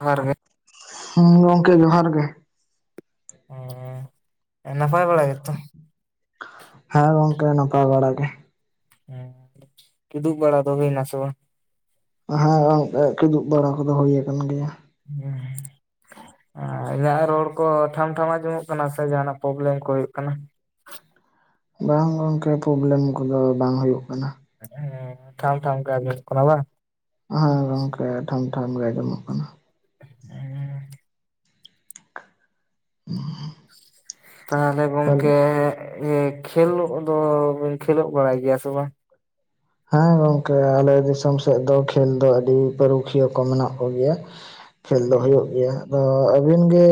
ᱡᱚᱦᱟᱨ ᱜᱮ ᱦᱩᱸ ᱜᱚᱝᱠᱮ ᱡᱚᱦᱟᱨ ᱜᱮ ᱦᱩᱩᱸ ᱱᱟᱯᱟᱭ ᱵᱟᱲᱟ ᱜᱮᱛᱚ ᱦᱟᱸ ᱜᱚᱝᱠᱮ ᱱᱟᱯᱟᱭ ᱵᱟᱲᱟ ᱜᱮ ᱦᱩᱸ ᱠᱤᱫᱩᱵ ᱵᱟᱲᱟ ᱫᱚ ᱦᱩᱭ ᱱᱟᱥ ᱵᱟᱝ ᱦᱟᱸ ᱦᱟᱸ ᱜᱚᱝ ᱠᱤᱫᱩᱵ ᱵᱟᱲᱟ ᱠᱚᱫᱚ ᱦᱩᱭ ᱟᱠᱟᱱ ᱜᱮᱭᱟ ᱦᱩᱸ ᱤᱧᱟᱜ ᱨᱚᱲ ᱠᱚ ᱴᱷᱟᱢᱼᱴᱷᱟᱢ ᱟᱡᱚᱢᱚᱜ ᱠᱟᱱᱟ ᱥᱮ ᱡᱟᱦᱱᱟᱜ ᱯᱚᱵᱞᱮᱢ ᱠᱚ ᱦᱩᱭᱩᱜ ᱠᱟᱱᱟ ᱵᱟᱝ ᱜᱚᱝᱠᱮ ᱯᱚᱵᱞᱮᱢ ᱠᱚᱫᱚ ᱵᱟᱝ ᱦᱩᱭᱩᱜ ᱠᱟᱱᱟ ᱦᱩᱸ ᱴᱷᱟᱢᱼᱴᱷᱟᱢ ᱜᱮ ᱟᱡᱚᱢᱜ ᱠᱟᱱᱟ ᱵᱟᱝ ᱦᱮᱮᱸ ᱜᱚᱝᱠᱮ ᱴᱷᱟᱢ ᱴᱷᱟᱢ ᱜᱮ ᱟᱡᱚᱢᱚᱜ ᱠᱟᱱᱟ ᱦᱩᱩᱸ ᱻᱻ ᱛᱟᱦᱮᱞᱮ ᱜᱚᱝᱠᱮ ᱤᱭᱟ ᱠᱷᱮᱞᱳᱜ ᱫᱚ ᱵᱤᱱ ᱠᱷᱮᱞᱳᱜ ᱵᱟᱲᱟᱭ ᱜᱮᱭᱟ ᱥᱮ ᱵᱟᱝ ᱦᱮᱸ ᱜᱚᱝᱠᱮ ᱟᱞᱮ ᱫᱤᱥᱚᱢ ᱥᱮᱜ ᱫᱚ ᱠᱷᱮᱞ ᱫᱚ ᱟᱹᱰᱤ ᱯᱟᱹᱨᱩᱠᱷᱤᱭᱟᱹ ᱠᱚ ᱢᱮᱱᱟᱜ ᱠᱚ ᱜᱮᱭᱟ ᱠᱷᱮᱞ ᱫᱚ ᱦᱩᱭᱩᱜ ᱜᱮᱭᱟ ᱟᱫᱚ ᱟᱹᱵᱤᱱ ᱜᱮ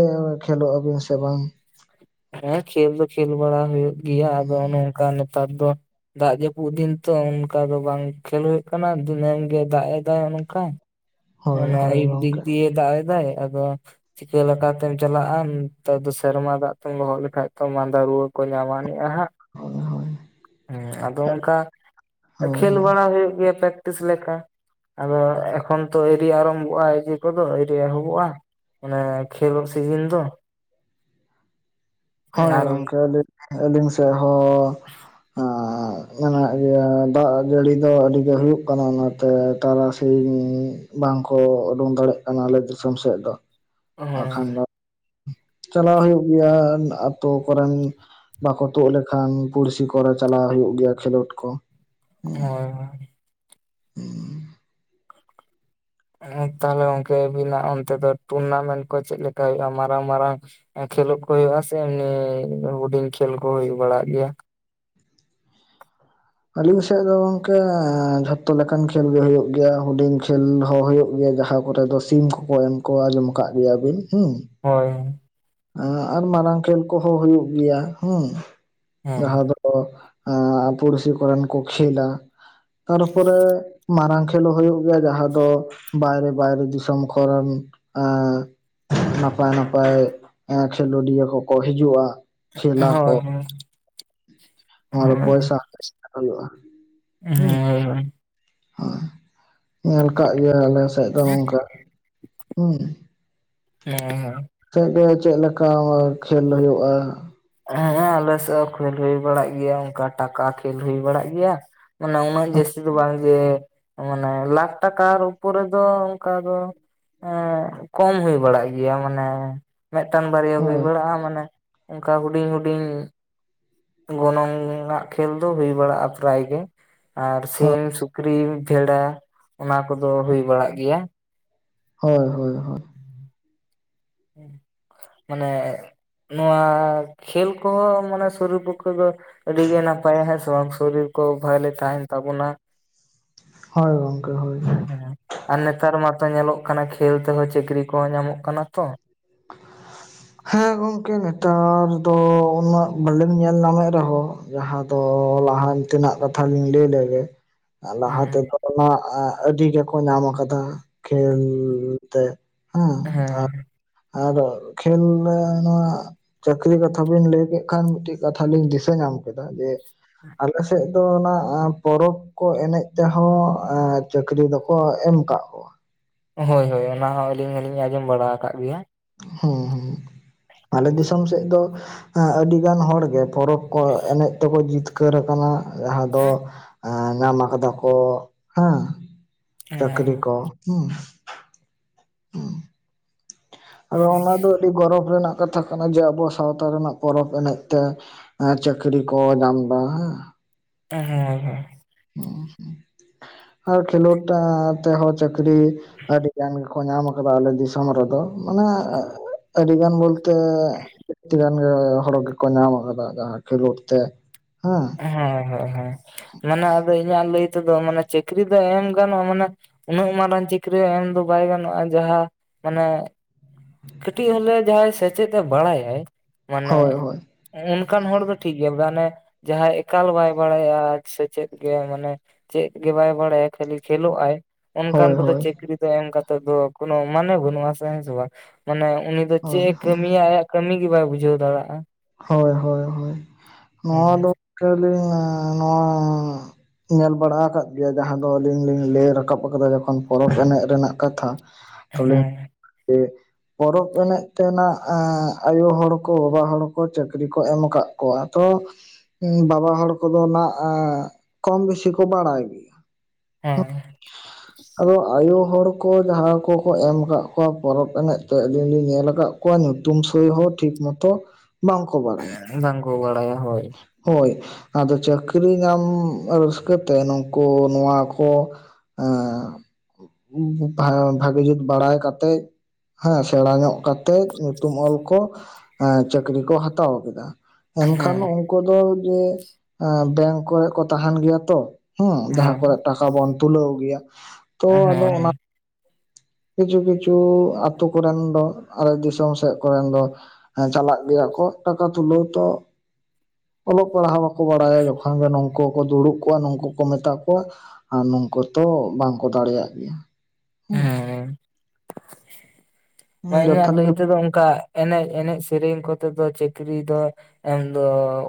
ᱠᱷᱮᱞᱳᱜᱼᱟᱵᱤᱱ ᱥᱮ ᱵᱟᱝ ᱦᱮᱸ ᱠᱷᱮᱞ ᱫᱚ ᱠᱷᱮᱞ ᱵᱟᱲᱟ ᱦᱩᱭᱩᱜ ᱜᱮᱭᱟ ᱟᱫᱚ ᱚᱱᱮ ᱚᱝᱠᱟ ᱱᱮᱛᱟᱨ ᱫᱚ ᱫᱟᱜ ᱡᱟᱹᱯᱩᱫ ᱫᱤᱱ ᱛᱚ ᱚᱱᱠᱟ ᱫᱚ ᱵᱟᱝ ᱠᱷᱮᱞ ᱦᱩᱭᱩᱜ ᱠᱟᱱᱟ ᱫᱤᱱᱟᱹᱢ ᱜᱮ ᱫᱟᱜ ᱮ ᱫᱟᱜ ᱚᱱᱮ ᱚᱝᱠᱟ ᱦᱳᱭ ᱚᱱᱟ ᱦᱳᱭ ᱟᱹᱭᱩᱵ ᱫᱤᱠ ᱜᱚᱝᱠᱮ ᱫᱤᱭᱮ ᱫᱟᱜ ᱫᱟᱭ ᱟᱫᱚ ᱪᱤᱠᱟᱹ ᱞᱮᱠᱟᱛᱮᱢ ᱪᱟᱞᱟᱜᱼᱟ ᱱᱮᱛᱟᱨ ᱫᱚ ᱥᱮᱨᱢᱟ ᱫᱟᱜ ᱛᱮᱢ ᱞᱚᱦᱚᱜ ᱞᱮᱠᱷᱟ ᱛᱚ ᱢᱟᱺᱫᱟ ᱨᱩᱣᱟᱹ ᱠᱚ ᱧᱟᱢ ᱟᱱᱤᱡᱼᱟ ᱦᱟᱸᱜ ᱦᱳᱭ ᱦᱳᱭ ᱦᱩᱸ ᱟᱫᱚ ᱚᱝᱠᱟ ᱦᱳᱭ ᱠᱷᱮᱞ ᱦᱳᱭ ᱵᱟᱲᱟ ᱦᱳᱭᱩᱜ ᱜᱮᱭᱟ ᱯᱮᱠᱴᱤᱥ ᱞᱮᱠᱟ ᱟᱫᱚ ᱮᱠᱷᱚᱱ ᱛᱚ ᱮᱨ ᱟᱨᱚᱢᱵᱷᱚᱜᱼᱟ ᱮᱡᱮ ᱠᱚᱫᱚ ᱮᱨ ᱮᱦᱚᱵᱚᱜᱼᱟ ᱢᱟᱱᱮ ᱠᱷᱮᱞᱚᱜ ᱥᱤᱡᱤᱱ ᱛᱚ [inaudible] ᱦᱳᱭ ᱜᱚᱝᱠᱮ ᱟᱹᱞᱤ ᱟᱹᱞᱤᱧ ᱥᱮᱮᱫ ᱦᱚᱸ ᱢᱮᱱᱟᱜ ᱜᱮᱭᱟ ᱫᱟᱜ ᱡᱟᱹᱲᱤ ᱫᱚ ᱟᱹᱰᱤ ᱜᱮ ᱦᱩᱭᱩᱜ ᱠᱟᱱᱟ ᱚᱱᱟᱛᱮ ᱛᱟᱨᱟᱥᱤᱧ ᱵᱟᱝᱠᱚ ᱩᱰᱩᱝ ᱫᱟᱲᱮᱭᱟᱜ ᱠᱟᱱᱟ ᱟᱞᱮ ᱫᱤᱥᱚᱢ ᱥᱮᱫ ᱫᱚ ᱵᱟᱠᱷᱟᱱ ᱫᱚ ᱪᱟᱞᱟᱣ ᱦᱩᱭᱩᱜ ᱜᱮᱭᱟ ᱟᱹᱛᱩ ᱠᱚᱨᱮᱱ ᱵᱟᱠᱚ ᱛᱩᱫ ᱞᱮᱠᱷᱟᱱ ᱯᱩᱲᱥᱤ ᱠᱚᱨᱮ ᱪᱟᱞᱟᱣ ᱦᱩᱭᱩᱜ ᱜᱮᱭᱟ ᱠᱷᱮᱞᱳᱰ ᱠᱚ ᱦᱳᱭ ᱦᱳᱭ ᱮ ᱛᱟᱦᱞᱮ ᱜᱚᱝᱠᱮ ᱟᱹᱵᱤᱱᱟᱜ ᱚᱱᱛᱮ ᱫᱚ ᱴᱩᱨᱱᱟᱢᱮᱱᱴ ᱠᱚ ᱪᱮᱫᱞᱮᱠᱟ ᱦᱩᱭᱩᱜᱼᱟ ᱢᱟᱨᱟᱝ ᱢᱟᱨᱟᱝ ᱠᱷᱮᱞᱳᱰ ᱠᱚ ᱦᱩᱭᱩᱜ-ᱟ ᱥᱮ ᱮᱢᱱᱤᱤ ᱦᱩᱰᱤᱧ ᱠᱷᱮᱞ ᱠᱚ ᱦᱩᱭᱩᱜ ᱵᱟᱲᱟᱜ ᱜᱮᱭᱟ ᱟᱹᱞᱤᱧ ᱥᱮᱫ ᱫᱚ ᱜᱚᱝᱠᱮᱮ ᱡᱷᱚᱛᱚ ᱞᱮᱠᱟᱱ ᱠᱷᱮᱞ ᱜᱮ ᱦᱳᱭᱩᱜ ᱜᱮᱭᱟ ᱦᱩᱰᱤᱧ ᱠᱷᱮᱞ ᱦᱚᱸ ᱦᱳᱭᱩᱜ ᱜᱮᱭᱟ ᱡᱟᱦᱟᱸ ᱠᱚ ᱠᱚᱨᱮ ᱫᱚ ᱥᱤᱢ ᱠᱚᱠᱚ ᱮᱢ ᱠᱚᱣᱟ ᱟᱸᱡᱚᱢ ᱟᱠᱟᱫ ᱜᱮᱭᱟ ᱵᱤᱱ ᱦᱚᱸ ᱦᱳᱭ ᱦᱸ ᱟᱨ ᱢᱟᱨᱟᱝ ᱠᱷᱮᱞ ᱠᱚᱦᱚᱸ ᱦᱩᱭᱩᱜ ᱜᱮᱭᱟ ᱦᱮᱸ ᱦᱮᱸ ᱡᱟᱦᱟᱸ ᱫᱚ ᱯᱲᱥᱤ ᱠᱚᱨᱚᱱ ᱠᱚ ᱠᱷᱟᱹᱞᱭᱟ ᱛᱟᱨᱯᱚᱨᱮ ᱢᱟᱨᱟᱝ ᱠᱷᱮᱞᱳ ᱦᱩᱭᱩᱜ ᱜᱮᱭᱟ ᱡᱟᱦᱟᱸ ᱫᱚ ᱵᱟᱭᱨᱮ ᱵᱟᱭᱨᱮ ᱫᱤᱥᱚᱢ ᱠᱚᱨᱮᱱ ᱱᱟᱯᱟᱭ ᱱᱟᱯᱟᱭ ᱠᱷᱮᱞᱳᱰᱤᱭᱟᱹ ᱠᱚᱠᱚ ᱦᱤᱡᱩᱜᱼᱟ ᱠᱷᱮᱞᱟ ᱠᱚ ᱦᱳᱭ ᱦᱳᱭ ᱱᱚᱣᱟ ᱫᱚ ᱯᱚᱭᱥᱟ ᱦᱳᱭ ᱦᱩᱭᱩᱜᱼᱟ [unintelligible] ᱦᱳᱭ [unintelligible] ᱦᱸ ᱧᱮᱞ ᱠᱟᱜ ᱜᱮᱭᱟ ᱟᱞᱮ ᱥᱮᱫ ᱫᱚ ᱱᱚᱝᱠᱟ ᱦᱩᱸ ᱦᱮᱸ [unintelligible] ᱥᱮᱫ ᱜᱮ ᱪᱮᱫ ᱞᱮᱠᱟ ᱠᱷᱮᱞ ᱦᱩᱭᱩᱜᱼᱟ ᱦᱮᱸ ᱟᱞ ᱥᱮᱫ ᱦᱚᱸ ᱠᱷᱮᱞ ᱦᱩᱭ ᱵᱟᱲᱟᱜ ᱜᱮᱭᱟ ᱚᱱᱠᱟ ᱴᱟᱠᱟ ᱠᱷᱮᱞ ᱦᱩᱭ ᱵᱟᱲᱟᱜ ᱜᱮᱭᱟ ᱢᱟᱱᱮ ᱩᱱᱟᱹᱜ ᱡᱟᱹᱥᱛᱤ ᱫᱚ ᱵᱟᱝ ᱡᱮ ᱢᱟᱱᱮ ᱞᱟᱠᱷ ᱴᱟᱠᱟᱨ ᱩᱯᱚᱨ ᱨᱮ ᱫᱚ ᱚᱱᱠᱟ ᱫᱚ ᱮᱸ ᱠᱚᱢ ᱦᱩᱭ ᱵᱟᱲᱟᱜ ᱜᱮᱭᱟ ᱢᱟᱱᱮ ᱢᱤᱫᱴᱟᱝ ᱵᱟᱨᱭᱟ ᱦᱩᱭ ᱦᱳᱭ ᱵᱟᱲᱟᱜᱼᱟ ᱢᱟᱱᱮ ᱚᱱᱠᱟ ᱦᱩᱰᱤᱧ ᱦᱩᱰᱤᱧ ᱜᱚᱱᱚᱝ ᱟᱱᱟᱜ ᱠᱷᱮᱞ ᱫᱚ ᱦᱩᱭ ᱵᱟᱲᱟᱜᱼᱟ ᱯᱨᱟᱭᱜᱮ ᱟᱨ ᱥᱤᱢ ᱥᱩ ᱠᱨᱤᱢ [unintelligible] ᱚᱱᱟ ᱠᱚᱫᱚ ᱦᱩᱭ ᱵᱟᱲᱟᱜ ᱜᱮᱭᱟ ᱦᱳᱭ ᱦᱳᱭ ᱦᱳᱭ ᱢᱟᱱᱮ ᱱᱚᱣᱟ ᱠᱷᱮᱞ ᱠᱚᱦᱚᱸ ᱢᱟᱱᱮ ᱥᱚᱨᱩᱨ ᱯᱚᱠᱠᱷᱚ ᱫᱚ ᱟᱹᱰᱤ ᱜᱮ ᱱᱟᱯᱟᱭᱟ ᱦᱮᱸ ᱥᱮ ᱵᱟᱝ ᱥᱚᱨᱤᱨ ᱠᱚ ᱵᱷᱟᱞᱮ ᱛᱟᱦᱮᱱ ᱛᱟᱵᱚᱱᱟ ᱦᱳᱭ ᱜᱚᱝᱠᱮ ᱦᱳᱭ ᱦᱸ ᱟᱨ ᱱᱮᱛᱟᱨ ᱢᱟᱛᱚ ᱧᱮᱞᱚᱜ ᱠᱟᱱᱟ ᱠᱷᱮᱹᱞ ᱛᱮᱦᱚᱸ ᱪᱟᱹᱠᱨᱤ ᱠᱚᱦᱚᱸ ᱧᱟᱢᱚᱜ ᱠᱟᱱᱟ ᱛᱚ [inaudible] ᱦᱮᱸ ᱜᱚᱢᱠᱮ ᱱᱮᱛᱟᱨ ᱫᱚ ᱩᱱᱟᱹᱜ ᱵᱟᱞᱤᱢ ᱧᱮᱞ ᱧᱟᱢᱮᱫ ᱨᱮᱦᱚᱸ ᱡᱟᱦᱟᱸ ᱫᱚ ᱞᱟᱦᱟᱱ ᱛᱮᱱᱟᱜ ᱠᱟᱛᱷᱟ ᱞᱤᱧ ᱞᱟᱹᱭ ᱞᱮᱜᱮ ᱞᱟᱦᱟ ᱛᱮᱫᱚ ᱚᱱᱟ ᱟᱹᱰᱤ ᱜᱮᱠᱚ ᱧᱟᱢ ᱟᱠᱟᱫᱟ ᱠᱷᱮᱞ ᱛᱮ ᱦᱮᱸ ᱟᱫᱚ ᱠᱷᱮᱞ ᱱᱚᱣᱟ ᱪᱟᱹᱠᱨᱤ ᱠᱟᱛᱷᱟ ᱵᱤᱱ ᱞᱟᱹᱭ ᱠᱮᱫ ᱠᱷᱟᱱ ᱢᱤᱫᱴᱮᱱ ᱠᱟᱛᱷᱟ ᱞᱤᱧ ᱫᱤᱥᱟᱹ ᱧᱟᱢ ᱠᱮᱫᱟ ᱡᱮ ᱟᱞᱮ ᱥᱮᱫ ᱟᱫᱚ ᱚᱱᱟ ᱯᱚᱨᱚᱵᱽ ᱠᱚ ᱮᱱᱮᱡ ᱛᱮᱦᱚᱸ ᱪᱟᱹᱠᱨᱤ ᱫᱚᱠᱚ ᱮᱢ ᱟᱠᱟᱫ ᱠᱚᱣᱟ ᱦᱳᱭ ᱦᱳᱭ ᱚᱱᱟ ᱦᱚᱸ ᱟᱹᱞᱤᱧ ᱦᱚᱞᱤᱧ ᱟᱸᱡᱚᱢ ᱵᱟᱲᱟ ᱟᱠᱟᱫ ᱜᱮᱭᱟ ᱦᱮᱸ ᱦᱮᱸ ᱟᱞᱮ ᱫᱤᱥᱚᱢ ᱥᱮᱫ ᱫᱚ ᱟᱹᱰᱤ ᱜᱟᱱ ᱦᱚᱲ ᱜᱮ ᱯᱚᱨᱚᱵᱽ ᱠᱚ ᱮᱱᱮᱡ ᱛᱮᱠᱚ ᱡᱤᱛᱠᱟᱹᱨ ᱟᱠᱟᱱᱟ ᱡᱟᱦᱟᱸ ᱫᱚ ᱧᱟᱢ ᱟᱠᱟᱫᱟ ᱠᱚ ᱦᱮᱸ ᱪᱟᱹᱠᱨᱤ ᱦᱮᱸ ᱠᱚ [unintelligible] ᱟᱫᱚ ᱦᱳᱭ ᱚᱱᱟ ᱫᱚ ᱟᱹᱰᱤ ᱜᱚᱨᱚᱵᱽ ᱨᱮᱱᱟᱜ ᱠᱟᱛᱷᱟ ᱠᱟᱱᱟ ᱡᱮ ᱟᱵᱚ ᱥᱟᱶᱛᱟ ᱨᱮᱱᱟᱜ ᱯᱚᱨᱚᱵᱽ ᱮᱱᱮᱡ ᱛᱮ ᱟᱨ ᱪᱟᱹᱠᱨᱤ ᱠᱚ ᱧᱟᱢ ᱮᱫᱟ ᱦᱮᱸ ᱮ ᱦᱮᱸ ᱟᱫᱚ᱾ ᱩᱸ ᱟᱨ ᱠᱷᱮᱞᱳᱸᱰ ᱴᱟᱜ ᱛᱮᱦᱚᱸ ᱪᱟᱹᱠᱨᱤᱼ ᱟᱹᱰᱤ ᱜᱟᱱ ᱜᱮᱠᱚ ᱧᱟᱢ ᱟᱠᱟᱫᱟ ᱟᱞᱮ ᱫᱤᱥᱚᱢ ᱨᱮᱫᱚ ᱢᱟᱱᱮ ᱟ ᱟᱹᱰᱤ ᱜᱟᱱ ᱵᱚᱞᱛᱮᱼᱼ ᱛᱮ ᱟᱹᱴᱴᱤ ᱜᱟᱱ ᱜᱮ ᱦᱚᱲ ᱜᱮᱠᱚ ᱧᱟᱢ ᱟᱠᱟᱫᱟ ᱡᱟᱦᱟᱸ ᱠᱷᱮᱞᱳᱸᱰ ᱛᱮ ᱦᱮᱸ᱾ ᱦᱮᱸ ᱦᱮᱸ ᱦᱮᱸ ᱢᱟᱱᱮ ᱟᱫᱚ ᱤᱧᱟᱜ ᱞᱟᱹᱭ ᱛᱮᱫᱚ ᱢᱟᱱᱮ ᱪᱟᱹᱠᱨᱤ ᱫᱚ ᱮᱢ ᱜᱟᱱᱚᱜ-ᱟ ᱢᱟᱱᱮᱼᱼ ᱩᱱᱟᱹᱜ ᱢᱟᱨᱟᱝ ᱪᱟᱹᱠᱨᱤ ᱮᱢ ᱫᱚ ᱵᱟᱭ ᱜᱟᱱᱚᱜ-ᱟ ᱡᱟᱦᱟᱸ ᱢᱟᱱᱮᱼᱼ ᱠᱟᱹᱴᱤᱡ ᱦᱤᱞᱳᱜ ᱡᱟᱦᱟᱸᱭ ᱥᱮᱪᱮᱫ ᱮ ᱵᱟᱲᱟᱭᱟᱭ ᱢᱟᱱᱮᱼᱼ ᱦᱳᱭ ᱦᱳᱭ ᱩᱱᱠᱟᱱ ᱦᱚᱲ ᱫᱚ ᱴᱷᱤᱠ ᱜᱮᱭᱟ ᱟᱫᱚ ᱦᱟᱱᱮᱼᱼ ᱡᱟᱦᱟᱸᱭ ᱮᱠᱟᱞ ᱵᱟᱭ ᱵᱟᱲᱟᱭᱟ ᱥᱮᱪᱮᱫ ᱜᱮ ᱢᱟᱱᱮᱼᱼ ᱪᱮᱫ ᱜᱮ ᱵᱟᱭ ᱵᱟᱲᱟᱭᱟ ᱠᱷᱟᱹᱞᱤ ᱠᱷᱮᱞᱳᱜ ᱟᱭᱼᱼ ᱚᱱᱠᱟᱱ ᱦᱳᱭ ᱠᱚᱫᱚ ᱦᱳᱭ ᱪᱟᱹᱠᱨᱤ ᱫᱚ ᱮᱢ ᱠᱟᱛᱮᱮᱫ ᱫᱚ ᱠᱚᱱᱚ ᱢᱟᱱᱮ ᱵᱟᱹᱱᱩᱜ ᱟᱥ ᱦᱮᱸ ᱥᱮ ᱵᱟᱝ ᱢᱟᱱᱮ ᱩᱱᱤ ᱟᱫᱚ ᱪᱮᱫ ᱦᱳᱭ ᱮ ᱦᱳᱭ ᱠᱟᱹᱢᱤᱭᱟ ᱟᱭᱟᱜ ᱠᱟᱹᱢᱤ ᱜᱮ ᱵᱟᱭ ᱵᱩᱡᱷᱟᱹᱣ ᱫᱟᱲᱮᱭᱟᱜᱼᱟ ᱦᱚᱭ ᱦᱚᱭ ᱦᱚᱭ ᱱᱚᱶᱟ ᱦᱮᱸ ᱫᱚᱠ ᱟᱹᱞᱤᱧ ᱱᱚᱶᱟ ᱧᱮᱞ ᱵᱟᱲᱟ ᱟᱠᱟᱜ ᱜᱮᱭᱟ ᱡᱟᱦᱟᱸ ᱫᱚ ᱟᱹᱞᱤᱧ ᱞᱤᱧ ᱞᱟᱹᱭ ᱨᱟᱠᱟᱵ ᱟᱠᱟᱫᱟ ᱡᱚᱠᱷᱚᱱ ᱯᱚᱨᱚᱵᱽ ᱮᱱᱮᱡ ᱨᱮᱱᱟᱜ ᱠᱟᱛᱷᱟᱼᱼ ᱛᱟᱦᱚᱞᱮᱜᱼᱼ ᱦᱮᱸ ᱡᱮ ᱯᱚᱨᱚᱵᱽ ᱮᱱᱮᱡ ᱛᱮᱱᱟᱜ ᱟᱸᱜ ᱟᱭᱳ ᱦᱚᱲ ᱠᱚ ᱵᱟᱵᱟ ᱦᱚᱲ ᱼᱼ ᱠᱚ ᱪᱟᱹᱠᱨᱤ ᱠᱚ ᱮᱢ ᱟᱠᱟᱜ ᱠᱚᱣᱟ ᱛᱚᱼᱼ ᱩᱸ ᱵᱟᱵᱟ ᱦᱚᱲ ᱠᱚᱫᱚ ᱱᱟᱜ-ᱟᱜ ᱠᱚᱢ ᱵᱤᱥᱤ ᱠᱚ ᱵᱟᱲᱟᱭ᱾ ᱦᱮᱸ᱾ [inaudible] ᱟᱫᱚ ᱟᱭᱳ ᱦᱚᱲ ᱠᱚ ᱡᱟᱦᱟᱸ ᱠᱚᱠᱚ ᱮᱢ ᱟᱠᱟᱜ ᱠᱚᱣᱟ ᱯᱚᱨᱚᱵᱽ ᱮᱱᱮᱡ ᱛᱮᱜ ᱟᱹᱞᱤᱧ ᱞᱤᱧ ᱧᱮᱞ ᱟᱠᱟᱜᱼᱼ ᱟᱠᱚᱣᱟ ᱧᱩᱛᱩᱢ ᱥᱳᱦᱤ ᱦᱚᱸ ᱴᱷᱤᱠ ᱢᱚᱛᱚ ᱵᱟᱝᱠᱚ ᱵᱟᱲᱟᱭᱟ᱾ ᱵᱟᱝ ᱠᱚ ᱵᱟᱲᱟᱭᱟ ᱦᱚᱭ᱾ ᱦᱚᱭ ᱟᱫᱚ ᱪᱟᱹᱠᱨᱤ ᱧᱟᱢ ᱨᱟᱹᱥᱠᱟᱹᱛᱮ ᱱᱩᱝᱠᱩ ᱱᱚᱣᱟ ᱠᱚᱼᱼ ᱟᱸ ᱵᱚ ᱵᱷᱟ ᱵᱷᱟᱜᱤ ᱡᱩᱛ ᱵᱟᱲᱟᱭ ᱠᱟᱛᱮᱜᱼᱼ ᱦᱮᱸ ᱥᱮᱬᱟ ᱧᱚᱜ ᱠᱟᱛᱮᱡ ᱧᱩᱛᱩᱢ ᱚᱞ ᱠᱚ ᱮᱸ ᱪᱟᱹᱠᱨᱤ ᱠᱚ ᱦᱟᱛᱟᱣ ᱟᱠᱮᱫᱟ᱾ ᱠᱷᱟᱱ ᱩᱱᱠᱩ ᱫᱚ ᱡᱮ ᱟᱸ ᱵᱮᱝ ᱠᱚᱨᱮ ᱠᱚ ᱛᱟᱦᱮᱱ ᱜᱮᱭᱟ ᱛᱚ ᱦᱮᱸ ᱡᱟᱦᱟᱸ ᱠᱚᱨᱮᱫᱼᱼ ᱴᱟᱠᱟ ᱵᱚᱱ ᱛᱩᱞᱟᱹᱣ ᱜᱮᱭᱟ ᱛᱚ ᱦᱮᱸ ᱟᱫᱚ ᱚᱱᱟᱼᱼ ᱦᱮᱸ ᱠᱤᱪᱷᱩ ᱠᱤᱪᱷᱩ ᱟᱛᱩ ᱠᱚ ᱨᱮᱱ ᱫᱚ ᱟᱞᱮ ᱫᱤᱥᱚᱢ ᱥᱮᱜ ᱠᱚᱨᱮᱱ ᱫᱚᱼᱼ ᱦᱮᱸ ᱪᱟᱞᱟᱜ ᱜᱮᱭᱟ ᱠᱚ ᱴᱟᱠᱟ ᱛᱩᱞᱟᱹᱣ ᱛᱚ ᱚᱞᱚᱜ ᱯᱟᱲᱦᱟᱣᱼᱼ ᱠᱚ ᱵᱟᱲᱟᱭᱟ ᱡᱚᱠᱷᱚᱱ ᱜᱮ ᱱᱚᱝᱠᱩ ᱠᱚ ᱫᱩᱲᱩᱵᱼᱼ ᱠᱩᱣᱟ ᱱᱩᱝᱠᱩ ᱠᱚ ᱢᱮᱛᱟ ᱠᱚᱣᱟ ᱟᱨ ᱱᱩᱝᱠᱩ ᱛᱚ ᱵᱟᱝ ᱠᱚ ᱫᱟᱲᱮᱭᱟᱜ ᱜᱮᱭᱟ, ᱦᱮᱸ᱾ ᱦᱮᱸ ᱢᱮ ᱤᱧᱟᱜ ᱡᱚᱛᱷᱟᱛ ᱞᱟᱹᱭ ᱜᱮ ᱛᱮᱫᱚ ᱚᱱᱠᱟᱼᱼ ᱮᱱᱮᱡ ᱮᱱᱮᱡ ᱥᱮᱨᱮᱧ ᱠᱚᱛᱮ ᱫᱚ ᱪᱟᱹᱠᱨᱤ ᱫᱚᱼᱼ ᱮᱢ ᱫᱚ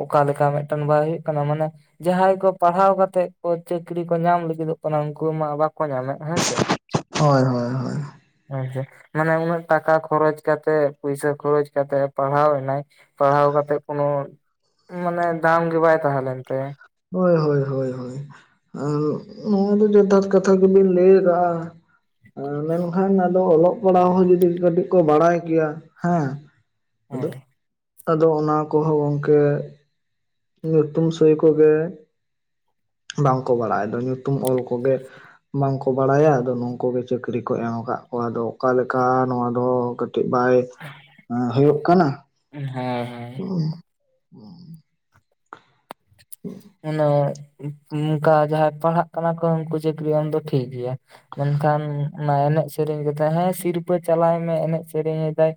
ᱚᱠᱟ ᱞᱮᱠᱟ ᱢᱮᱫᱴᱮᱱ ᱵᱟᱭ ᱦᱩᱭᱩᱜ ᱠᱟᱱᱟ ᱢᱟᱱᱮᱼᱼ ᱡᱟᱦᱟᱸᱭ ᱠᱚ ᱯᱟᱲᱦᱟᱣ ᱠᱟᱛᱮᱜ ᱠᱚ ᱪᱟᱹᱠᱨᱤ ᱠᱚ ᱧᱟᱢ ᱞᱟᱹᱜᱤᱫᱚᱜ ᱠᱟᱱᱟ ᱩᱱᱠᱩ ᱢᱟ ᱵᱟᱠᱚ ᱧᱟᱢᱮᱫ ᱦᱮᱸ ᱥᱮ᱾ ᱦᱚᱭ ᱦᱚᱭ ᱦᱚᱭ᱾ ᱦᱮᱸ ᱜᱮ ᱢᱟᱱᱮ ᱩᱱᱟᱹᱜ ᱴᱟᱠᱟ ᱠᱷᱚᱨᱚᱪ ᱠᱟᱛᱮᱜ ᱯᱩᱭᱥᱟᱹ ᱠᱷᱚᱨᱚᱪ ᱠᱟᱛᱮᱜ ᱯᱟᱲᱦᱟᱣ ᱮᱱᱟᱭᱼᱼ ᱯᱟᱲᱦᱟᱣ ᱠᱟᱛᱮᱜ ᱠᱚᱱᱚ ᱢᱟᱱᱮ ᱫᱟᱢ ᱜᱮ ᱵᱟᱭ ᱛᱟᱦᱮᱸ ᱞᱮᱱ ᱛᱟᱭᱟ᱾ ᱳᱭ ᱦᱳᱭ ᱦᱳᱭ ᱦᱳᱭ᱾ ᱟᱨ ᱱᱚᱣᱟ ᱫᱚ ᱡᱚᱛᱷᱟᱛ ᱠᱟᱛᱷᱟ ᱜᱮᱵᱤᱱ ᱞᱟᱹᱭ ᱟᱠᱟᱜ-ᱟ ᱟᱸ ᱢᱮᱱᱠᱷᱟᱱ ᱟᱨᱼᱼ ᱚᱞᱚᱜ ᱯᱟᱲᱦᱟᱣ ᱦᱚᱸ ᱡᱫᱤ ᱠᱟᱹᱴᱤᱡ ᱠᱚ ᱵᱟᱲᱟᱭ ᱜᱮᱭᱟ ᱦᱮᱸ, ᱦᱮᱸ ᱟᱫᱚᱼᱼ ᱟᱫᱚ ᱚᱱᱟ ᱠᱚᱦᱚᱸ ᱜᱚᱝᱠᱮᱼᱼ ᱧᱩᱛᱩᱢ ᱥᱳᱦᱤ ᱠᱚᱜᱮᱼᱼ ᱵᱟᱝ ᱠᱚ ᱵᱟᱲᱟᱭ ᱫᱚ ᱧᱩᱛᱩᱢ ᱚᱞ ᱠᱚᱜᱮᱼᱼ ᱵᱟᱝ ᱠᱚ ᱵᱟᱲᱟᱭᱟ ᱟᱫᱚ ᱱᱩᱝᱠᱩ ᱜᱮ ᱪᱟᱹᱠᱨᱤ ᱠᱚ ᱮᱢ ᱟᱠᱟᱜ ᱠᱚᱣᱟ ᱟᱫᱚ ᱚᱠᱟ ᱞᱮᱠᱟ ᱱᱚᱣᱟ ᱫᱚ ᱠᱟᱹᱴᱤᱡ ᱵᱟᱭᱼᱼ ᱟᱸ ᱦᱩᱭᱩᱜ ᱠᱟᱱᱟ, ᱦᱮᱸ ᱦᱮᱸ ᱩᱸ᱾ ᱟᱱᱮ ᱩᱸᱠᱟ ᱡᱟᱦᱟᱸᱭ ᱯᱟᱲᱦᱟᱜ ᱠᱟᱱᱟ ᱠᱚ ᱩᱱᱠᱩ ᱪᱟᱹᱠᱨᱤ ᱮᱢ ᱫᱚ ᱴᱷᱤᱠ ᱜᱮᱭᱟ᱾ ᱢᱮᱱ ᱠᱷᱟᱱ ᱚᱱᱟ ᱮᱱᱮᱡ ᱥᱮᱨᱮᱧ ᱠᱟᱛᱮᱜ ᱦᱮᱸ ᱥᱤᱨᱯᱟᱹ ᱪᱟᱞᱟᱭ ᱢᱮ ᱮᱱᱮᱡ ᱥᱮᱨᱮᱧ ᱮᱫᱟᱭᱼᱼ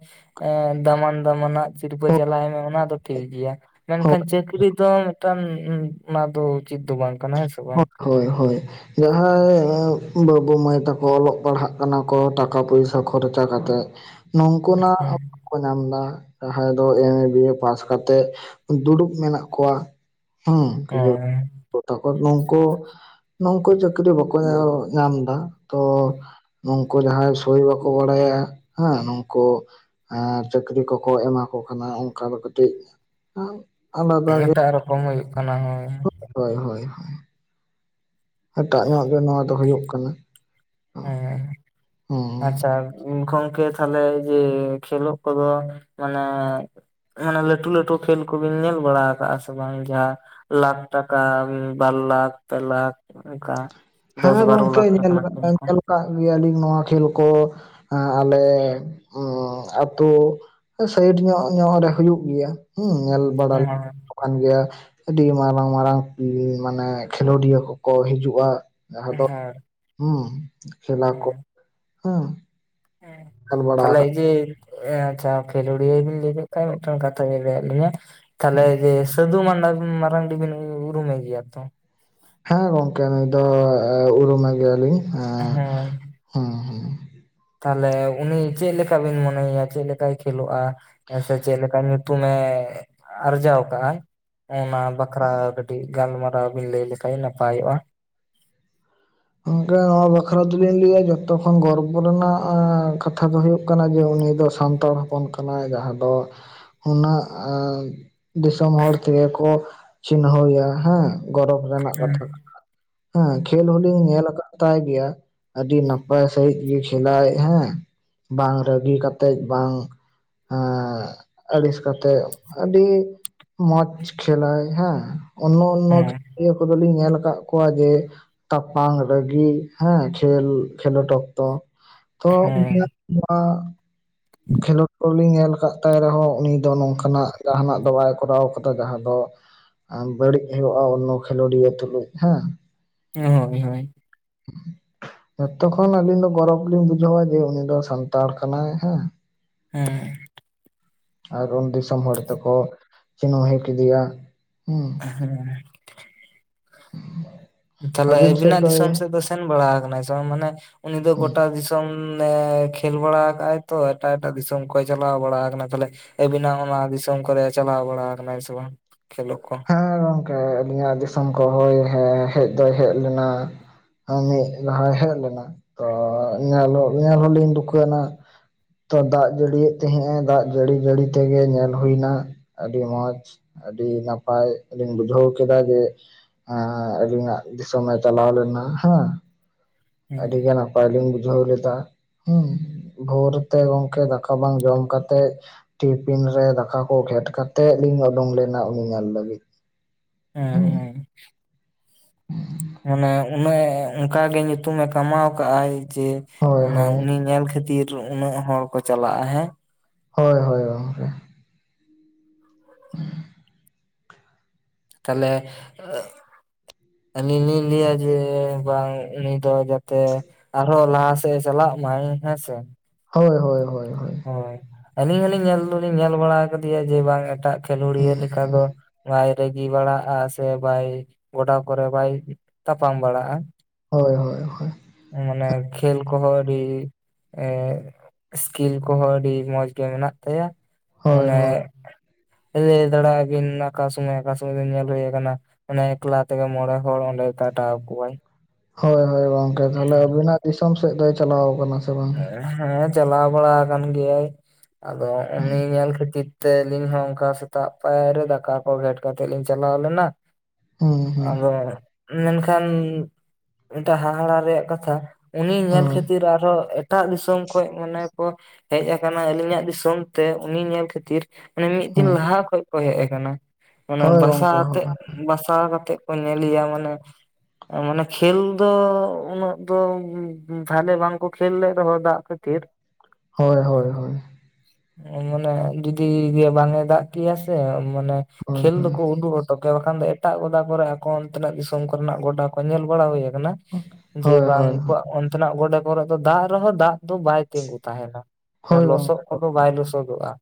ᱮᱸ ᱫᱟᱢᱟᱱ ᱫᱟᱢᱟᱱᱟᱜ᱾ ᱥᱤᱨᱯᱟᱹ ᱪᱟᱞᱟᱭ ᱢᱮ ᱚᱱᱟ ᱫᱚ ᱴᱷᱤᱠ ᱜᱮᱭᱟ ᱢᱮᱱᱠᱷᱟᱱ ᱪᱟᱹᱠᱨᱤ ᱫᱚ ᱢᱤᱫᱴᱟᱝ ᱚᱱᱟ ᱫᱚ ᱩᱪᱤᱛ ᱫᱚ ᱵᱟᱝ ᱠᱟᱱᱟ ᱦᱮᱸ ᱥᱮ ᱵᱟᱝ ᱦᱳᱭ ᱦᱳᱭ ᱡᱟᱦᱟᱸᱭ ᱵᱟᱹᱵᱩ ᱢᱟᱹᱭ ᱛᱟᱠᱚ ᱚᱞᱚᱜ ᱯᱟᱲᱦᱟᱜ ᱠᱟᱱᱟ ᱠᱚ ᱴᱟᱠᱟ ᱯᱚᱭᱥᱟ ᱠᱷᱚᱨᱪᱟ ᱠᱟᱛᱮᱜ ᱱᱚᱝᱠᱩ ᱱᱟᱜ ᱦᱮᱸ ᱠᱚ ᱧᱟᱢ ᱮᱫᱟ ᱡᱟᱦᱟᱸᱭ ᱫᱚ ᱮᱢ ᱮ ᱵᱤᱭᱮ ᱯᱟᱥ ᱠᱟᱛᱮᱫ ᱫᱩᱲᱩᱵ ᱢᱮᱱᱟᱜ ᱠᱚᱣᱟ ᱦᱮᱸ [inaudible] ᱦᱮᱸ ᱜᱚᱴᱟ ᱠᱚ ᱱᱚᱝᱠᱩ ᱱᱚᱝᱠᱩ ᱪᱟᱹᱠᱨᱤ ᱵᱟᱠᱚ ᱧᱟᱢ ᱮᱫᱟ ᱛᱚ ᱱᱚᱝᱠᱩ ᱡᱟᱦᱟᱸᱭ ᱥᱳᱭ ᱵᱟᱠᱚ ᱵᱟᱲᱟᱭᱟ ᱦᱮᱸ ᱱᱩᱠᱩ ᱟᱨ ᱪᱟᱹᱠᱨᱤ ᱠᱚᱠᱚ ᱮᱢᱟ ᱠᱚ ᱠᱟᱱᱟ ᱚᱱᱠᱟ ᱫᱚ ᱠᱟᱹᱴᱤᱡ ᱟᱨᱼᱼ ᱮᱴᱟᱜ ᱨᱚᱠᱚᱢ ᱦᱚᱭᱩᱜ ᱠᱟᱱᱟ ᱦᱮ᱾ ᱦᱳᱭ ᱦᱳᱭ ᱮᱴᱟᱜ ᱧᱚᱜ ᱜᱮ ᱱᱚᱣᱟ ᱫᱚ ᱦᱩᱭᱩᱜ ᱠᱟᱱᱟ ᱦᱮᱸ ᱦᱮᱸ ᱟᱪᱪᱷᱟ ᱜᱚᱢᱠᱮ ᱛᱟᱦᱞᱮ ᱡᱮ ᱠᱷᱮᱞᱳᱜ ᱠᱚᱫᱚ ᱢᱟᱱᱮ ᱚᱱᱟ ᱞᱟᱹᱴᱩ ᱞᱟᱹᱴᱩ ᱠᱷᱮᱞ ᱠᱚᱵᱤᱱ ᱧᱮᱞ ᱵᱟᱲᱟ ᱟᱠᱟᱜ-ᱟ ᱥᱮ ᱵᱟᱝ ᱡᱟᱦᱟᱸ ᱞᱟᱠᱷ ᱴᱟᱠᱟ ᱵᱟᱨ ᱞᱟᱠᱷ ᱯᱮ ᱞᱟᱠᱷ ᱚᱱᱠᱟ ᱦᱮᱸ ᱫᱚᱥ ᱵᱟᱨᱚ ᱜᱚᱝᱠᱮ ᱞᱟᱠᱷ ᱴᱟᱠᱟ ᱧᱮᱞ ᱨᱮᱱᱟᱜ ᱠᱷᱮᱞ ᱟᱠᱟᱫ ᱠᱚ ᱧᱮᱞ ᱠᱟᱜ ᱜᱮᱭᱟ ᱞᱤᱧ ᱱᱚᱣᱟ ᱠᱷᱮᱞ ᱠᱚ ᱟᱞᱮ ᱦᱩ ᱛᱳ ᱥᱟᱭᱤᱰ ᱧᱚᱜ ᱧᱚᱜ ᱨᱮ ᱦᱩᱭᱩᱜ ᱜᱮᱭᱟ ᱦᱮᱸ ᱧᱮᱞ ᱵᱟᱲᱟ ᱦᱮᱸ ᱠᱟᱱ ᱜᱮᱭᱟ ᱟᱹᱰᱤ ᱢᱟᱨᱟᱝ ᱢᱟᱨᱟᱝ ᱢᱟᱱᱮ ᱠᱷᱮᱞᱳᱰᱤᱭᱟᱹ ᱠᱚᱠᱚ ᱦᱤᱡᱩᱜᱼᱟ ᱡᱟᱦᱟᱸ ᱫᱚ ᱦᱮᱸ ᱦᱩᱸ ᱠᱷᱮᱞᱟ ᱠᱚ ᱦᱩᱸ ᱦᱮᱸ ᱛᱟᱦᱚᱞᱮ ᱡᱮ ᱟᱪᱪᱷᱟ ᱠᱷᱮᱞᱳᱲᱤ ᱵᱤᱱ ᱞᱟᱹᱭ ᱠᱮᱫ ᱠᱷᱟᱡ ᱢᱤᱫᱴᱟᱝ ᱠᱟᱛᱷᱟ ᱵᱤᱱ ᱞᱟᱹᱭ ᱟᱫᱞᱤᱸᱧᱟ [unintelligible] ᱛᱟᱦᱚᱞᱮ ᱡᱮ ᱥᱟᱫᱷᱩ ᱢᱟᱰᱟ ᱢᱟᱨᱟᱝᱰᱤ ᱵᱤᱱ ᱩᱨᱩᱢᱮ ᱜᱮᱭᱟ ᱛᱚ ᱦᱮᱸ ᱜᱚᱝᱠᱮ ᱱᱩᱭ ᱫᱚ ᱩᱨᱩᱢᱮ ᱜᱮᱭᱟ ᱞᱤᱧ ᱦᱳᱭ ᱦᱩᱸ ᱦᱩᱸ ᱛᱟᱦᱚᱞᱮ ᱩᱱᱤ ᱪᱮᱫ ᱞᱮᱠᱟ ᱵᱤᱱ ᱢᱚᱱᱮᱭᱟ ᱪᱮᱫ ᱞᱮᱠᱟᱭ ᱠᱷᱮᱞᱳᱜᱼᱟ ᱦᱮᱸ ᱥᱮ ᱪᱮᱫ ᱞᱮᱠᱟ ᱧᱩᱛᱩᱢᱮ ᱟᱨᱡᱟᱣ ᱠᱟᱜᱼᱟ ᱚᱱᱟ ᱵᱟᱠᱷᱨᱟ ᱠᱟᱹᱴᱤᱡ ᱜᱟᱞᱢᱟᱨᱟᱣ ᱵᱤᱱ ᱞᱟᱹᱭ ᱞᱮᱠᱷᱟᱡ ᱱᱟᱯᱟᱭᱚᱜᱼᱟ ᱜᱚᱝᱠᱮ ᱱᱚᱣᱟ ᱵᱟᱠᱷᱨᱟ ᱫᱚᱞᱤᱧ ᱞᱟᱹᱭᱟ ᱡᱚᱛᱚ ᱠᱷᱚᱱ ᱜᱚᱨᱵᱚ ᱨᱮᱱᱟᱜ ᱮ ᱠᱟᱛᱷᱟ ᱫᱚ ᱦᱩᱭᱩᱜ ᱠᱟᱱᱟ ᱡᱮ ᱩᱱᱤ ᱫᱚ ᱥᱟᱱᱛᱟᱲ ᱦᱚᱯᱚᱱ ᱠᱟᱱᱟ ᱡᱟᱦᱟᱸ ᱫᱚ ᱩᱱᱟᱹᱜ ᱮᱜ ᱫᱤᱥᱚᱢ ᱦᱚᱲ ᱛᱮ ᱜᱮ ᱠᱚ ᱪᱤᱱᱦᱟᱹᱭᱟ ᱦᱮᱸ ᱜᱚᱨᱚᱵᱽ ᱨᱮᱱᱟᱜ ᱠᱟᱛᱷᱟ ᱠᱟᱱᱟ ᱦᱮᱸ ᱠᱷᱮᱞ ᱦᱚᱸ ᱤᱧ ᱧᱮᱞ ᱟᱠᱟᱫ ᱛᱟᱭ ᱜᱮᱭᱟ ᱟᱹᱰᱤ ᱱᱟᱯᱟᱭ ᱥᱟᱺᱦᱤᱡ ᱜᱮ ᱠᱷᱮᱞᱟᱭ ᱦᱮᱸ ᱵᱟᱝ ᱨᱟᱹᱜᱤ ᱠᱟᱛᱮᱫ ᱵᱟᱝ ᱮᱜᱸ ᱟᱹᱲᱤᱥ ᱠᱟᱛᱮᱫ ᱟᱹᱰᱤ ᱢᱚᱸᱡᱽ ᱠᱷᱮᱞᱟᱭ ᱦᱮᱸ ᱚᱱᱱᱚ ᱚᱱᱱᱚ ᱦᱮᱸ ᱠᱷᱮᱞᱳᱲᱤᱭᱟᱹ ᱠᱚ ᱫᱚ ᱞᱤᱧ ᱧᱮᱞ ᱟᱠᱟᱫ ᱠᱚᱣᱟ ᱡᱮ ᱛᱟᱯᱟᱝ ᱨᱟᱹᱜᱤ ᱦᱮᱸ ᱠᱷᱮᱞ ᱠᱷᱮᱞᱳᱰ ᱚᱠᱛᱚ ᱛᱚ ᱩᱱᱤᱭᱟᱜ ᱦᱮᱸ ᱚ [inaudible] ᱠᱷᱮᱞᱳᱰ ᱠᱚ ᱞᱤᱧ ᱧᱮᱞ ᱟᱠᱟᱫ ᱛᱟᱭ ᱨᱮᱦᱚᱸ ᱩᱱᱤ ᱫᱚ ᱱᱚᱝᱠᱟ ᱱᱟᱜ ᱡᱟᱦᱟᱱᱟᱜ ᱫᱚ ᱵᱟᱭ ᱠᱚᱨᱟᱣ ᱠᱟᱫᱟ ᱡᱟᱦᱟᱸ ᱫᱚ ᱵᱟᱹᱲᱤᱡ ᱦᱩᱭᱩᱜᱼᱟ ᱚᱱᱱᱚ ᱠᱷᱮᱞᱳᱰᱤᱭᱟᱹ ᱛᱩᱞᱩᱡ ᱦᱮᱸ ᱦᱳᱭ ᱦᱳᱭ ᱦᱸ ᱡᱚᱛᱚ ᱠᱷᱚᱱ ᱟᱹᱞᱤᱧ ᱫᱚ ᱜᱚᱨᱚᱵᱽ ᱞᱤᱧ ᱵᱩᱡᱷᱟᱹᱣᱟ ᱡᱮ ᱩᱱᱤ ᱫᱚ ᱥᱟᱱᱛᱟᱲ ᱠᱟᱱᱟᱭ ᱦᱮᱸ ᱦᱮᱸᱻ ᱟᱨ ᱩᱱ ᱫᱤᱥᱚᱢ ᱦᱚᱲ ᱛᱮᱠᱚ ᱪᱤᱱᱦᱟᱹᱣ ᱦᱮᱸ ᱠᱮᱫᱮᱭᱟ ᱦᱩᱸ ᱦᱮᱸ [inaudible] ᱛᱟᱦᱞᱮ ᱟᱹᱵᱤᱱ ᱟᱹᱵᱤᱱᱟᱜ ᱥᱮᱫ ᱫᱤᱥᱚᱢ ᱫᱚᱭ ᱥᱮᱫ ᱫᱚ ᱥᱮᱱ ᱵᱟᱲᱟ ᱟᱠᱟᱱᱟᱭ ᱥᱮ ᱵᱟᱝ ᱢᱟᱱᱮ ᱩᱱᱤ ᱫᱚ ᱜᱚᱴᱟ ᱫᱤᱥᱚᱢ ᱱᱮ ᱠᱷᱮᱞ ᱵᱟᱲᱟ ᱟᱠᱟᱫ ᱟᱭ ᱛᱚ ᱮᱴᱟᱜ ᱮᱴᱟᱜ ᱫᱤᱥᱚᱢ ᱠᱚᱭ ᱪᱟᱞᱟᱣ ᱵᱟᱲᱟ ᱟᱠᱟᱱᱟ ᱛᱟᱦᱚᱞᱮ ᱟᱹᱵᱤᱱᱟᱜ ᱚᱱᱟ ᱫᱤᱥᱚᱢ ᱠᱚᱨᱮ ᱪᱟᱞᱟᱣ ᱵᱟᱲᱟ ᱠᱟᱱᱟᱭ ᱥᱮ ᱵᱟᱝ ᱠᱷᱮᱞᱳ ᱠᱚ ᱦᱮᱸ ᱜᱚᱝᱠᱮ ᱟᱹᱞᱤᱧᱟᱜ ᱫᱤᱥᱚᱢ ᱠᱚ ᱦᱚᱭ ᱦᱮᱡ ᱫᱚᱭ ᱦᱮᱡ ᱞᱮᱱᱟ ᱢᱤᱫ ᱞᱟᱦᱟᱭ ᱦᱮᱡ ᱞᱮᱱᱟ ᱛᱚ ᱮᱱᱮ ᱦᱤᱞᱚᱜ [unintelligible] ᱛᱚ ᱫᱟᱜ ᱡᱟᱹᱲᱤᱭᱮᱫ ᱛᱟᱦᱮᱸᱜ ᱮ ᱫᱟᱜ ᱡᱟᱹᱲᱤ ᱡᱟᱹᱲᱤ ᱛᱮᱜᱮ ᱧᱮᱞ ᱦᱩᱭ ᱮᱱᱟ ᱟᱹᱰᱤ ᱢᱚᱸᱡᱽ ᱟᱹᱰᱤ ᱱᱟᱯᱟᱭ ᱞᱤᱧ ᱵᱩᱡᱷᱟᱹᱣ ᱠᱮᱫᱟ ᱡᱮ ᱦᱮᱸ ᱟᱹᱞᱤᱧᱟᱜ ᱫᱤᱥᱚᱢ ᱮ ᱪᱟᱞᱟᱣ ᱞᱮᱱᱟ ᱦᱮᱸ ᱟᱹᱰᱤ ᱦᱮᱸ ᱜᱟᱱ ᱱᱟᱯᱟᱭᱞᱤᱧ ᱵᱩᱡᱷᱟᱹᱣ ᱞᱮᱫᱟ ᱦᱮᱸ ᱵᱷᱳᱨ ᱛᱮ ᱜᱚᱝᱠᱮ ᱫᱟᱠᱟ ᱵᱟᱝ ᱡᱚᱢ ᱠᱟᱛᱮᱜ ᱴᱤᱯᱷᱤᱱ ᱨᱮ ᱫᱟᱠᱟ ᱠᱚ ᱜᱷᱮᱸᱴ ᱠᱟᱛᱮᱜ ᱞᱤᱧ ᱩᱰᱩᱠ ᱞᱮᱱᱟ ᱩᱱᱤ ᱧᱮᱞ ᱞᱟᱹᱜᱤᱫ ᱦᱮᱸ ᱦᱩᱸ ᱦᱮᱸ [inaudible] ᱢᱟᱱᱮ ᱩᱱᱟᱹᱜ ᱮ ᱚᱱᱠᱟᱜᱮ ᱧᱩᱛᱩᱢᱮ ᱠᱟᱢᱟᱣ ᱟᱠᱟᱜ ᱟᱭ ᱪᱮ ᱦᱳᱭ ᱚᱱᱟ ᱦᱳᱭ ᱩᱱᱤ ᱧᱮᱞ ᱠᱷᱟᱹᱛᱤᱨ ᱩᱱᱟᱹᱜ ᱦᱚᱲ ᱠᱚ ᱪᱟᱞᱟᱜᱼᱟ ᱦᱮᱸ ᱦᱳᱭ ᱦᱳᱭ ᱜᱚᱢᱠᱮ ᱛᱟᱦᱚᱞᱮ [unintelligible] ᱟᱹᱞᱤᱧ ᱞᱤᱧ ᱞᱟᱹᱭᱟ ᱡᱮ ᱵᱟᱝ ᱩᱱᱤ ᱫᱚ ᱡᱟᱛᱮ ᱟᱨᱦᱚᱸ ᱞᱟᱦᱟ ᱥᱮᱫ ᱮ ᱪᱟᱞᱟᱜ ᱢᱟᱭ ᱦᱮᱸᱥᱮ ᱦᱳᱭ ᱦᱳᱭ ᱦᱳᱭ ᱦᱳᱭ ᱦᱳᱭ ᱟᱹᱞᱤᱧ ᱦᱚᱸᱞᱤᱧ ᱧᱮᱞ ᱫᱚᱞᱤᱧ ᱧᱮᱞ ᱵᱟᱲᱟ ᱟᱠᱟᱫᱮᱭᱟ ᱡᱮ ᱵᱟᱝ ᱮᱴᱟᱜ ᱠᱷᱮᱞᱳᱰᱤᱭᱟᱹ ᱦᱩᱸ ᱞᱮᱠᱟ ᱫᱚ ᱵᱟᱭ ᱨᱟᱹᱜᱤ ᱵᱟᱲᱟᱜᱼᱟ ᱥᱮ ᱵᱟᱭ ᱜᱚᱰᱟ ᱠᱚᱨᱮ ᱵᱟᱭ ᱛᱟᱯᱟᱢ ᱵᱟᱲᱟᱜᱼᱟ ᱦᱳᱭ ᱦᱳᱭ ᱦᱳᱭ ᱢᱟᱱᱮ ᱠᱷᱮᱞ ᱠᱚ ᱦᱚᱸ ᱟᱹᱰᱤ ᱮ ᱠᱷᱮᱞ ᱠᱚᱦᱚᱸ ᱟᱹᱰᱤ ᱢᱚᱸᱡᱽ ᱜᱮ ᱢᱮᱱᱟᱜ ᱛᱟᱭᱟ ᱦᱳᱭ ᱢᱟᱱᱮ ᱦᱳᱭ ᱞᱟᱹᱭ ᱫᱟᱲᱮ ᱟᱹᱵᱤᱱ ᱚᱠᱟ ᱥᱚᱢᱚᱭ ᱚᱠᱟ ᱥᱚᱢᱚᱭ ᱵᱤᱱ ᱧᱮᱞ ᱦᱩᱭ ᱟᱠᱟᱱᱟ ᱚᱱᱮ ᱮᱠᱞᱟ ᱛᱮᱜᱮ ᱢᱚᱬᱮ ᱦᱚᱲ ᱚᱸᱰᱮ ᱠᱟᱴᱟᱣ ᱠᱚᱣᱟᱭ ᱦᱳᱭ ᱦᱳᱭ ᱜᱚᱝᱠᱮ ᱛᱟᱦᱞᱮ ᱟᱹᱵᱤᱱᱟᱜ ᱫᱤᱥᱚᱢ ᱥᱮᱫ ᱫᱚᱭ ᱪᱟᱞᱟᱣ ᱟᱠᱟᱱᱟ ᱥᱮ ᱵᱟᱝ ᱦᱮᱸ ᱪᱟᱞᱟᱣ ᱵᱟᱲᱟ ᱟᱠᱟᱱ ᱜᱮᱭᱟᱭ ᱟᱫᱚ ᱩᱱᱤ ᱧᱮᱞ ᱠᱷᱟᱹᱛᱤᱨ ᱛᱮ ᱟᱹᱞᱤᱧ ᱦᱚᱸ ᱚᱱᱠᱟ ᱥᱮᱛᱟᱜ ᱯᱟᱭᱟᱨ ᱨᱮ ᱫᱟᱠᱟ ᱠᱚ ᱜᱷᱮᱴ ᱠᱟᱛᱮ ᱞᱤᱧ ᱪᱟᱞᱟᱣ ᱞᱮᱱᱟ ᱦᱩᱸ ᱦᱩᱸ ᱟᱫᱚ ᱢᱮᱱᱠᱷᱟᱱ ᱢᱤᱫᱴᱟᱹᱝ ᱦᱟᱦᱟᱲᱟ ᱨᱮᱭᱟᱜ ᱠᱟᱛᱷᱟ ᱩᱱᱤ ᱧᱮᱞ ᱦᱳᱭ ᱠᱷᱟᱹᱛᱤᱨ ᱟᱨᱦᱚᱸ ᱮᱴᱟᱜ ᱫᱤᱥᱚᱢ ᱠᱷᱚᱡ ᱢᱟᱱᱮ ᱠᱚ ᱦᱮᱡ ᱟᱠᱟᱱᱟ ᱟᱹᱞᱤᱧᱟᱜ ᱫᱤᱥᱚᱢ ᱛᱮ ᱩᱱᱤ ᱧᱮᱞ ᱠᱷᱟᱹᱛᱤᱨ ᱢᱟᱱᱮ ᱢᱤᱫ ᱫᱤᱱ ᱦᱳᱭ ᱞᱟᱦᱟ ᱠᱷᱚᱡ ᱠᱚ ᱦᱮᱡ ᱟᱠᱟᱱᱟ ᱚᱱᱟ ᱦᱳᱭ ᱵᱟᱥᱟ ᱜᱚᱝᱠᱮ ᱟᱛᱮ ᱦᱳᱭ ᱵᱟᱥᱼᱼ ᱵᱟᱥᱟ ᱠᱟᱛᱮ ᱠᱚ ᱧᱮᱞᱮᱭᱟ ᱢᱟᱱᱮ ᱢᱟᱱᱮ ᱠᱷᱮᱞ ᱫᱚ ᱩᱱᱟᱹᱜ ᱫᱚ ᱵᱷᱟᱞᱮ ᱵᱟᱝ ᱠᱚ ᱠᱷᱮᱞ ᱞᱮᱜ ᱨᱮᱦᱚᱸ ᱫᱟᱜ ᱠᱷᱟᱹᱛᱤᱨ ᱦᱳᱭ ᱦᱳᱭ ᱦᱳ ᱦᱳᱭ ᱢᱟᱱᱮ ᱡᱩᱫᱤ [unintelligible] ᱵᱟᱝ ᱮ ᱫᱟᱜ ᱠᱤᱭᱟ ᱥᱮ ᱢᱟᱱᱮ ᱦᱳᱭ ᱠᱷᱮᱞ ᱫᱚ ᱦᱳᱭ ᱠᱚ ᱩᱰᱩᱜ ᱦᱚᱴᱚ ᱠᱮᱭᱟ ᱵᱟᱠᱷᱟᱱ ᱫᱚ ᱮᱴᱟᱜ ᱜᱚᱰᱟ ᱠᱚᱨᱮ ᱮᱠᱷᱚᱱ ᱛᱤᱱᱟᱹᱜ ᱫᱤᱥᱚᱢ ᱠᱚᱨᱮᱱᱟᱜ ᱜᱚᱰᱟ ᱠᱚ ᱧᱮᱞ ᱵᱟᱲᱟ ᱦᱩᱭ ᱟᱠᱟᱱᱟ ᱡᱮ ᱦᱳᱭ ᱵᱟᱝ ᱦᱳᱭ ᱩᱱᱠᱩᱣᱟᱜ ᱚᱱᱛᱮᱱᱟᱜ ᱜᱚᱰᱟ ᱠᱚᱨᱮ ᱫᱚ ᱫᱟᱜ ᱨᱮᱦᱚᱸ ᱫᱟᱜ ᱫᱚ ᱵᱟᱭ ᱛᱤᱸᱜᱩ ᱛᱟᱦᱮᱱᱟ ᱦᱳᱭ ᱞᱚᱥᱚᱫ ᱜᱚᱝᱠᱮ ᱦᱳᱭ ᱠᱚᱫᱚ ᱵᱟᱭ ᱞᱚᱥᱚᱫᱚᱜᱼᱟ